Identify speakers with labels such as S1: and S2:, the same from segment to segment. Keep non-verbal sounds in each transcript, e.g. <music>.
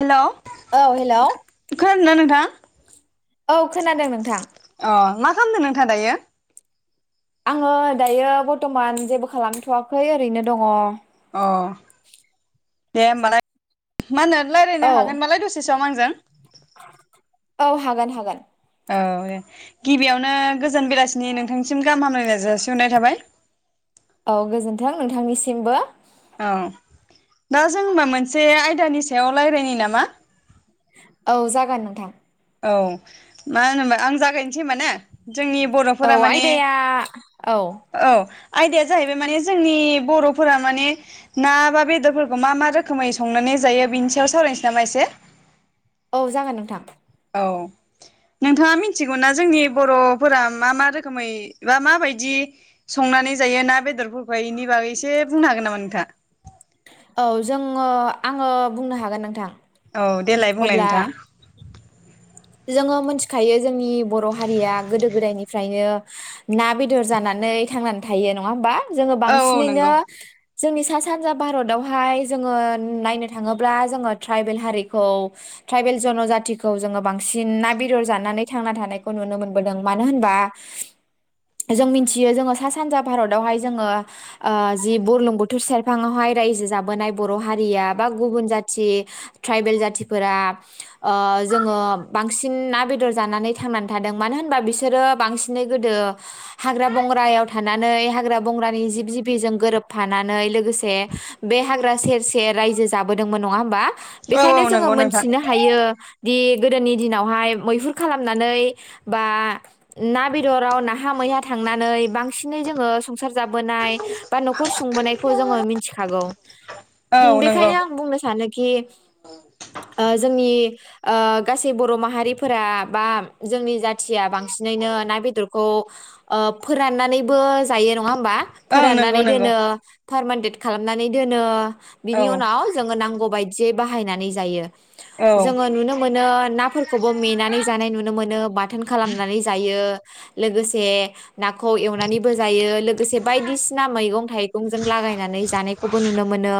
S1: Hello
S2: औ hello
S1: दोना नोंथाङा?
S2: औ खोनादों नोंथां
S1: खामदों नोंथाङा दायो?
S2: आङो दायो बर्थमान जेबो खालामथवाखै ओरैनो दङ।
S1: अ दे होमबालाय। मा होनो रायलायनो हागोनबालाय दसे सम आंजों।
S2: औ हागोन हागोन।
S1: औ दे गिबियावनो गोजान बेलासिनि नोंथांनिसिम गाहाम हामलायनाय जासिहरनाय थाबाय।
S2: औ गोजोन्थों नोंथांनिसिमबो।
S1: औ दा जों मा मोनसे आयदानि सायाव लायरायनि नामा?
S2: औ जागोन नोंथां।
S1: औ मा होनो आं जागायनोसै होमबा ना? जोंनि
S2: औ
S1: बर'फोरा माने
S2: आयदाया औ
S1: औ। आयदाया जाहैबाय माने जोंनि बर'फोरा माने ना बा बेदरफोरखौ मा मा रोखोमै संनानै जायो बिनि सायाव सावरायनोसै नामा एसे
S2: औ जागोन नोंथां।
S1: औ नोंथाङा मिथिगौ ना जोंनि बर'फोरा मा मा रोखोमै बा माबायदि संनानै जायो ना बेदरफोरखौहाय इनि बागै एसे बुंनो हागोन नामा नोंथाङा?
S2: औ जोङो आङो बुंनो हागोन नोंथां।
S1: औ देलाय बुंलाय
S2: अब्ला
S1: नोंथां।
S2: जोङो मोनथिखायो जोंनि बर' हारिया गोदो गोदायनिफ्रायनो ना बेदर जानानै थांनानै थायो नङा होमबा? जोङो
S1: औ औ
S2: बांसिनैनो
S1: नंगौ
S2: जोंनि सा सानजा भारतावहाय जोङो नायनो थाङोब्ला जोङो ट्राइबेल हारिखौ ट्राइबेल जनजाथिखौ जोङो बां सिन ना बेदर जानानै थांना थानायखौ नुनो मोनबोदों मानो होनबा जों मिथियो जोङो सा सानजा भारतावहाय जोङो ओ जि बुरलुंबबुथुर सेरफाङावहाय रायजो जाबोनाय बर' हारिया बा गुबुन जाथि ट्राइबेल जाथिफोरा ओ जोङो बांसिन ना बेदर जानानै थांनानै थादों मानो होनबा बिसोरो बांसिनै गोदो हाग्रा बंग्रायाव थानानै हाग्रा बंग्रानि जिब जिबिजों गोरोबफानानै लोगोसे बे हाग्रा सेर सेर रायजो जाबोदोंमोन नङा होमबा?
S1: औ औ
S2: बेखायनो जोङो
S1: नंगौ नोंथां
S2: मोनथिनो हायो दि गोदोनि दिनावहाय मैहुर खालामनानै बा ना बेदराव नाहा मैहा थांनानै बांसिनै जोङो संसार जाबोनाय बा नखर सुंबोनायखौ जोङो मिथिखागौ
S1: औ नंगौ
S2: बेखायनो आं बुंनो सानोखि ओ जोंनि ओ। गासै बर' माहारिफोरा बा जोंनि जाथिया बांसिनैनो ना बेदरखौ ओ फोराननानैबो जायो नङा होमबा
S1: ओं नंगौ
S2: फोराननानै
S1: नंगौ
S2: दोनो। थारमानडेट खालामनानै दोनो।
S1: औ
S2: बिनि उनाव जोङो नांगौ बायदियै बाहायनानै जायो।
S1: औ
S2: जोङो नुनो मोनो नो नाफोरखौबो मेनानै जानाय नुनो मोनो बाथोन खालामनानै जायो। लोगोसे नाखौ एवनानैबो जायो। लोगोसे बायदिसिना मैगं थाइगंजों लागायनानै जानायखौबो नुनो मोनो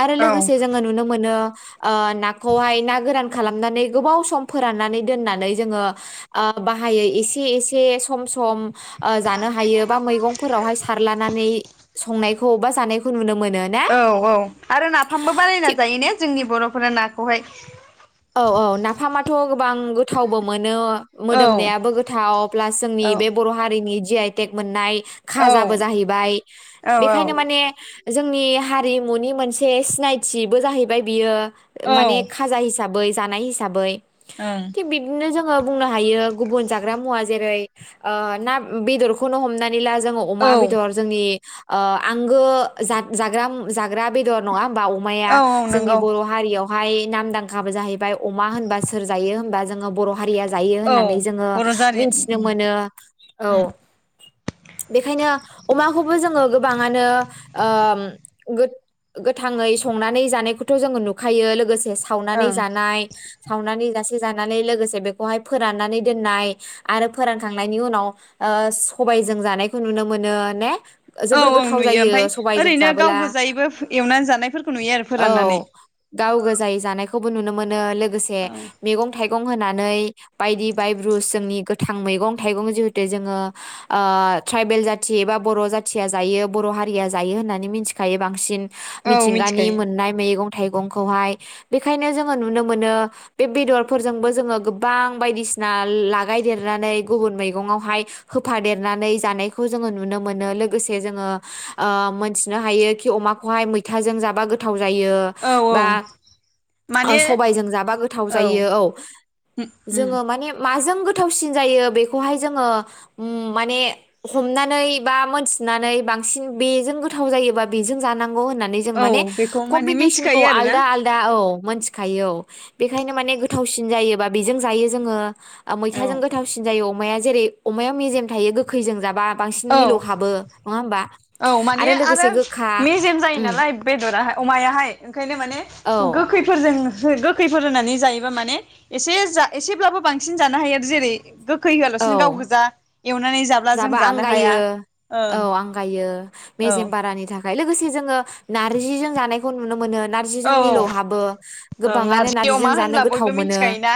S2: आरो
S1: औ
S2: लोगोसे जोङो नुनो मोनो ओ नाखौहाय ना गोरान खालामनानै। गोबाव सम फोराननानै दोननानै जोङो ओ बाहायै एसे एसे सम सम। ओ जानो हायो बा मैगंफोरावहाय सारलानानै संनायखौ बा जानायखौ नुनो मोनो ना
S1: औ औ
S2: थिग
S1: फोरा नाखौहाय।
S2: औ औ नाफामाथ गोबां गोथावबो मोनो
S1: औ
S2: मोदोमनायाबो गोथाव प्लास जोंनि
S1: औ
S2: बे बर‌हारिनि जि आइ टेग मोननाय
S1: औ
S2: खाजाबो जाहैबाय
S1: औ औ
S2: बेखायनो माने जोंनि हारिमुनि मोनसे सिनायथिबो जाहैबाय बियो
S1: ओं
S2: माने खाजा हिस साबै जानाय हिसाबै थिग
S1: औ
S2: बिबदिनो जो ङो बुंनो हायो गुबुन जाग्रा मुवा जेरै ना बेदरखौनो हमनानै नानै ला जोङो अमा बेदर जोंनि ओ आंगो जा-जाग्रा मु जाग्रा बेदर नङा होनबा अमाया
S1: औ
S2: जोंनि
S1: नंगौ
S2: बर हारियाव बेहाय नामदां खाबो जाहैबाय अमा होनबा सोर जायो होनबा जोङो बर हारिया जायो
S1: औ
S2: होननानै जोङो
S1: बर' जारि
S2: मिथिनो मोनो औ
S1: ओं
S2: बेनिखायनो अमाखौबो जोङो गो बाङानो ओ गो-गोथाङै संनानै जानायखौथ जोङो नुखायो लोगोसे से सावनानै
S1: ओं
S2: जानाय साव जानानै लोगोसे बेखौहाय फोराननानै दोननाय आरो फोरानखांनायनि उनाव ओ सबायजों जानायखौ नुनो मोनो ने
S1: औ
S2: जोबोर
S1: औ
S2: गोथाव
S1: नुयो
S2: जायो
S1: ओमफफ्राय
S2: सबायजों
S1: ओरैनो गाव
S2: जाबोला
S1: गोजायैबो एवनानै जानायफोरखौ नुयो आरो फोराननानै
S2: खौबो नुनो मोनो लो गोसे
S1: औ
S2: मैगं थाइगं होनानै नै बायदि बायब्रुस जोंनि गोथां मैगं थाइगं जिहेथु जोङो ओ ट्राइबेल जाथि एबा बर जाथिया जायो बर हारिया जायो होननानै मिथिखायो बांसिन
S1: औ
S2: मिथिंगानि
S1: मिथिखायो
S2: मोननाय मैगं थाइगंखौहाय बेखायनो जोङो नुनो मोनो बे बेदरफोरजोंबो जोङो गोबां बायदिसिना लागायदेरनानै गुबुन मैगंआवहाय होफादेरनानै जानायखौ जोङो नुनो मोनो लोगोसे जोङो ओ मोनथिनो हायो खि अमाखौहाय मैथाजों जाबा गोथाव जायो
S1: औ औ
S2: बा
S1: माने
S2: सबायजों जाबा गोथाव जायो औ
S1: उम
S2: जोङो माने माजों गोथावसिन जायो बेखौहाय जोङो माने हमनानै एबा मोनथिनानै बांसिन बेजों गोथाव जायोबा बेजों जानां गौ होननानै
S1: औ
S2: माने
S1: बेखौ माने
S2: कमबिनेसनखौ
S1: मिथिखायो आरोना
S2: आलदा आलदा औ मोनथिखायो औ बेखायनो माने गोथावसिन जायोबा बेजों जायो जोङो
S1: औ
S2: मैथाजों गोथावसिन जायो अ माया जेरै अमाया मेजेम थायो गोखैजों जाबा बांसिन
S1: औ
S2: मिलौ हाबो नङा होमबा
S1: औ माने आरो
S2: लोगोसे गोखा
S1: मेजेम जायो
S2: उम
S1: नालाय बेदराहाय अमायाहाय ओंखायनो माने
S2: औ
S1: गोखैफोरजों गोखैफोर होनानै जायोबा माने एसे जा एसेब्लाबो बांसिन जानो हायो आरो जेरै गोख खै
S2: औ
S1: होआलासिनो गाव गोजा एव
S2: जाबा आंगायो औ
S1: ओं
S2: आंगायो
S1: औ
S2: मेेजेमबाराानि थाख खाय लोगोसे जोङो नारजिजों जानायखौ नुनो मोनो। नारजिजों
S1: औ औ
S2: मिलौहाबो
S1: ओं
S2: गोबाङानो
S1: नारजि अमा
S2: नारजिजों जानो
S1: होनब्ला
S2: गोथाव
S1: बयबो
S2: मोनो
S1: मिथिखायोना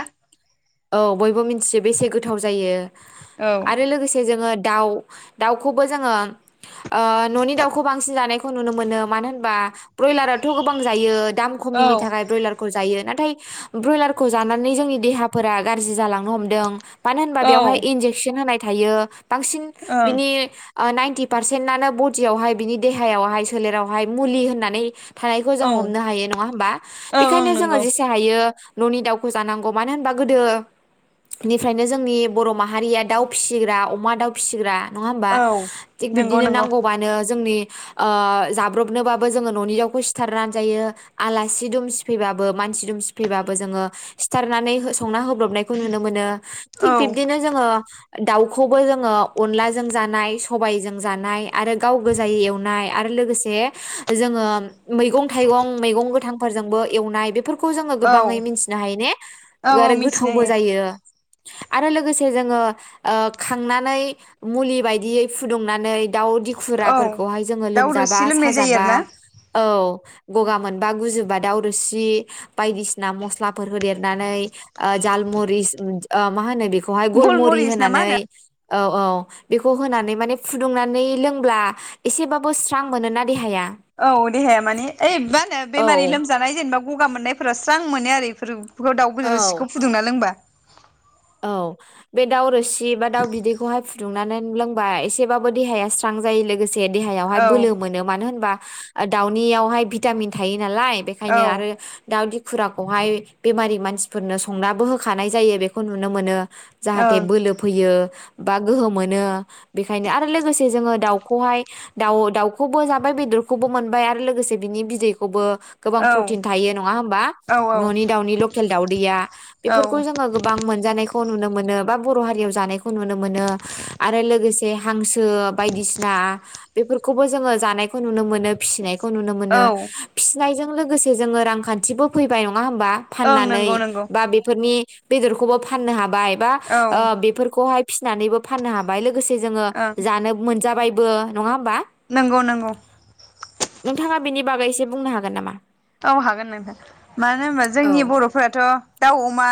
S2: औ बयबो मिन्थियो बे बेसे गोथाव जायो।
S1: औ
S2: आरो लोगोसे जोङो दाउ दाउखौबो जोङो ओ ननि दाउखौ बांसिन जानायखौ नुनो मोनो मानो होनबा ब्रयलाराथ गोबां जायो दाम
S1: औ
S2: खमिनि थाखाय ब्रयलारखौ जायो ना नाथाय ब्रयलार खौ जानानै जोंनि देहाफोरा गारजि जालांनो हमदों मानो होनबा
S1: औ
S2: बेवहाय
S1: ओं
S2: इनजेकचन होनाय थायो। बांसिन
S1: औ
S2: बिनि नाइनटि पारसेन्टआनो बडियावहाय बिनि देहायावहाय सोलेरावहाय मुलि होननानै थानायखौ जोङो
S1: ओं
S2: हमनो हायो नङा होमबा
S1: ओं
S2: बेखायनो जोङो
S1: नंगौ
S2: जिसे हायो ननि दाउखौ जानांगौ मानो होनबा गोदो निफ्रायनो जोंनि बर माहारिया दाउ फिसिग्रा अ अमा दाउ फिसिग्रा नङा होमबा
S1: औ
S2: थिग
S1: नंगौ
S2: बिबदिनो
S1: नंगौ
S2: नांगौबानो जोंनि ओ जाब्रबनोबाबो जोङो ननि दावउखौ सिथारनानै जायो आलासि दुमसिफैबाबो मानसि दुमसिफैबाबो जोङो सिथारनानै हो संना होब ब्रबनायखौ नुनो मोनो थिग
S1: औ
S2: बिबदिनो जोङो दाउ खौबो जोङो अनलाजों जानाय सबायजों जानाय आरो गाव गोजाय एवनाय आरो लोगोसे जोङो मैगं थाइगं मैगं गोथां -' फोरजोंबो एवनाय बेफोर खौ जोङो
S1: औ
S2: गोबाङै मिथिनो हायो ने
S1: औ
S2: आरो
S1: मिथिनो
S2: गोथावबो
S1: हायो
S2: जायो आरो लोगोसे जोङो ओ खांनानै मुलि बायदियै फुदुंनानै दाउ
S1: औ
S2: दिखुराफोरखौहाय जोङो
S1: दाउ
S2: लोमजाबा
S1: रोसि लोंनाय जायो आरो
S2: साजाबा
S1: ना
S2: औ गगा मोनबा गुजोबा दाावरोसि बायदिसिना मस्लाफोर होदेरनानै जालमरिस ओ मा होनो बे बेखौहाय गलमुरि
S1: गलमरिस ना मा
S2: होनानै
S1: होनो
S2: औ औ बेखौ होनानै माने फुदुंनानै लोंब्ला एसेबाबो स्रां मोनोना देहाया।
S1: औ देहाया मानि ओइबा होनो
S2: औ
S1: बेमारि लोमजानाय जेनेबा गगा मोननायफोरा स्रां मोनो आरो बेफोर दाउ
S2: औ
S1: गोदिरसिखौ फुदोंना लोंबा।
S2: औ बे दावरोसि सि बा दाउ बिदैखौहाय फु दुंनानै लोंबाय एसेबाबो देहाया स्रां जायो लोगोसे जे देहायावहाय
S1: औ
S2: बोलो मोनो मानो होनबा दाउनियावहाय भिटामिन थायो। नालाय
S1: औ
S2: बेखायनो
S1: ओं
S2: आरो दाउ खुराखौहाय बेमारि मानसिफोरनो संनाबो होखानाय जायो बे खौ नुनो मोनो।
S1: औ
S2: जाहाथे बोलो फैयो। बा गोहो मोनो बेखायनो आरो लोगोसे जोङो दाउखौहाय दाउ दाउखौबो जाबाय बेदरखौबो मोनबाय आरो लोगोसे बिनि बिदैखौबो गोबां प्रतिन थायो नङा होनबा
S1: औ
S2: न'नि दाउनि लकेल दाउदैया बेफोरखौ
S1: औ
S2: जोङो गोबां मोनजानायखौ नुनो मोनो। बा बर' हारियाव जानायखौ नुनो मोनो आरो लोगोसे हांसो बायदिसिना बेफोरखौबो जोङो जानायखौ नुनो मोन फिसिनायखौ खौ नुनो मोनो
S1: औ
S2: फिसि नाय लोगोसे जोङो रांखान्थिबो फैबाय नङा नङा होमबा
S1: ओं
S2: फाननानै
S1: नंगौ नंगौ
S2: बा बेफोरनि बेदरखौबो फाननो हाबाय। बा
S1: औ
S2: ओ बेफोरखौहाय फिनानैबो फाननो हाबाय लोगो लोगोसे जोङो
S1: ओं
S2: जानोब मोनजाबायब बो नङा होम बा
S1: नंगौ नंगौ
S2: नोंथाङा बिनि बागै एसे बुंनो हागोन नामा
S1: औ हागोन नोंथां मानो होनबा जोंनि
S2: औ
S1: बरफोराथ' दाउ अमा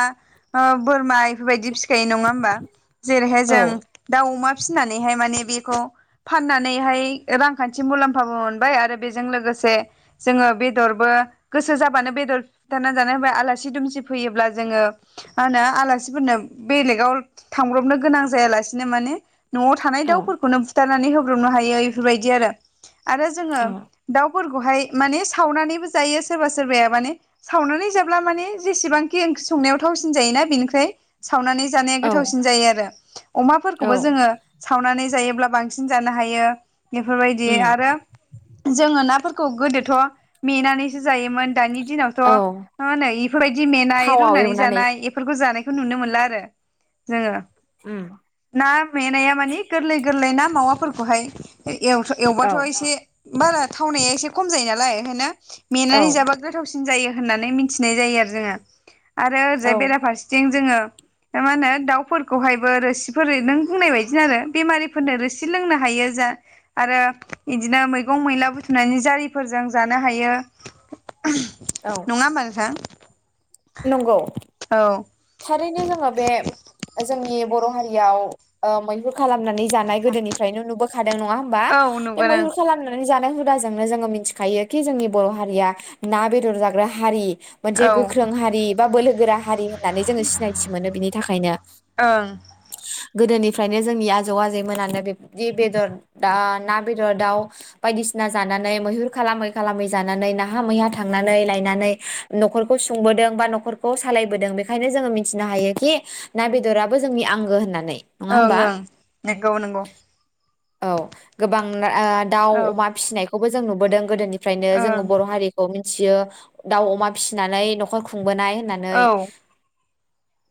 S1: ओ बोरमाय बेफोरबायदि फिखायो नङा होम्बा जेरैहाय जों
S2: औ
S1: दाउ अमा फिनानैहाय माने बेखौ फाननानैहाय रांखान्थि मुलाम्फाबो मोनबाय आरो बेजों लोगोसे जोङो बेदर बो गोसो जाबानो बेदर बुथारनानै जानो हाबाय आलासि दुमसि फैयोब्ला जोङो मा होनो आलासिफोरनो बेलेगाव थांब्रबनो गोनां जायालासिनो माने नआव थानाय
S2: औ
S1: दाउफोरखौनो बुथार नानै होब्रबनो हायो इफोरबायदि आरो। आरो जोङो
S2: औ
S1: दाउ फोरखौहाय माने सावनानानैबो जो जायो सोरबा सोरबाया माने सावनानै जाब्ला माने जेसेबांखि ओंख्रि संनायाव थावसिन जायोना बिनिख्रुइ सावनानै जानाया
S2: औ
S1: गोथावसिन जायो आरो। अमाफोरखौबो
S2: औ
S1: जोङो सावनानै जायोब्ला बांसिन जानो हायो। बेफोरबायदि
S2: उम
S1: आरो जोङो नाफोरखौ गोदोथ' मेनानै सो जायोमोन। दानि दिनावथ'
S2: औ
S1: मा होनो इफोरबायदि मेनाय
S2: थावआव
S1: रुनानै
S2: एवनानै
S1: जानाय इफोरखौ जानाय खौ नुनो मोनला आरो जोङो।
S2: उम
S1: ना मेनाया मानि गोरलै गोरलै ना मावाफोरखौहाय ओइ
S2: औ
S1: एव-एवबाथ' एसे बारा थावनाया एसे खम जायो नालाय ओंखायनो
S2: औ
S1: मेनानै जाबा गोथावसि न जायो होननानै मिनथिनाय जायो आरो जोङो। आरो ओरैजाय
S2: औ
S1: बेराफारसेथिं जोङो मा होनो दाउफोरखौहायबो रोसिफोरै नों बुंनाय बायदिनो आरो बेमारिफोरनो रोसि लोंनो हायो जा आरो गदिनो मैगं मैला बुथुमनानै जारिफोरजों जानो हायो। ओहोम
S2: औ
S1: नङा होम्बा नोंथां?
S2: नंगौ
S1: औ
S2: <inaudible> थारैनो जोङो बे जोंनि बर' हारि याव ओ मैहुर खालाम खामनानै जानाय गोदोनिफ्रायनो नुबोखादों नङा होबा
S1: औ
S2: बे
S1: नुगोन ओं
S2: मैुरनानै जाना हुदाजोंनो जोङो मिथिखायो खि जोंनि बर हारिया ना बेदर जाग्रा हारि। मोनसे
S1: औ
S2: गोख गोख्रों हारि बा बोलो गोरा हारि होननानै जोङो सिनायथि मोनो बिनि थाखायनो
S1: ओं
S2: <inaudible> गोदोनिफ्रायनो जोंनि आजौ आजैमोनानो बिब्दि बेदर दा ना बेदर दाउ बायदिसिना जानानै मैहुर खालामै खालामै जानानै नाहा मैहा थांनानै लायनानै नख'रखौ सु खुंबोदों बा नख'रखौ सालायबोदों बेखायनो जोङो मिथिनो हायोखि ना बेदराबो जोंनि आंगो होननानै। नङा
S1: ओं
S2: होमबा
S1: ओं नंगौ नंगौ।
S2: औ गोबां ओ दाउ
S1: औ
S2: अमा फिसिनायखौबो जो जों नुबोदों गोदोनि फ्रायनो जोङो
S1: ओं
S2: बर' हारि औ मिथियो दाउ, अमा फिसिनानै नखर खुंबोनाय। नानै
S1: औ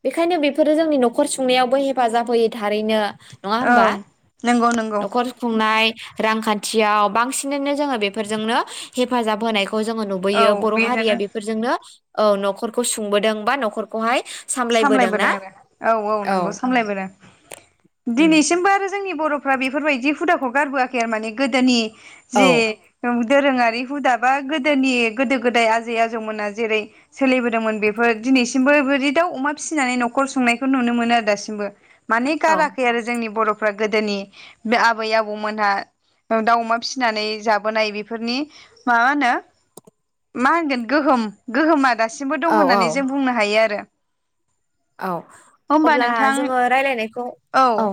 S2: बेखायनो बेफोरो जोंनि नखर सुंनायावबो हेफाजाब होयो थारैनो। नङा होमबा
S1: ओं नंगौ नंगौ।
S2: नखर खुंनाय रांखान्थियाव बांसिनैनो जोङो बेफोरजोंनो हेफाजाब होनायखौ खौ जोङो
S1: औ
S2: नुबोयो बर'हारिया
S1: बेजोंनो
S2: बेफोरजोंनो औ नखरखौ सुंबोदों बा नखरखौहाय
S1: सामलायबोदों आरो औ औ नंगौ सामलायबोदों।
S2: उम
S1: दिनैसिमबो आरो जोंनि बर'फ्रा बेफोरबायदि हुदाखौ गारबोआखै आरो माने गोदोनि
S2: औ
S1: जि औद दोरोङारि हुदा बा गोदोनि गोदो गोदाय आजै आजौमोना जेरै सोलिबोदोंमोन बेफोर दिनैसिमबो बि देव, अमा फिसिनानै नखर संनायखौ नुनो मोनो आरो दासिमबो। माने
S2: औ
S1: गाराखै आरो जोंनि बर' फ्रा गोदोनि आबै आबौमोनहा दाउ अमा फिसिनानै जाबोनाय बेफोरनि मा होनो मा होनगोन गोहम गोहम दासिमबो
S2: औ
S1: दं होननानै
S2: औ
S1: जों बुंनो हायो आरो।
S2: औ
S1: होमबा
S2: अब्ला
S1: नोंथां
S2: जोङो राय्लायनायखौ औ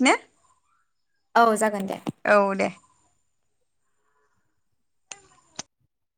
S1: नो
S2: औ जागोन। दे
S1: औ दे